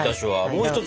もう一つは？